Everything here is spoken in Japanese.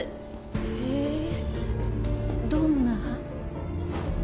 へぇどんな？